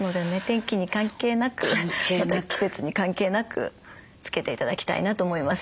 天気に関係なくまた季節に関係なくつけて頂きたいなと思います。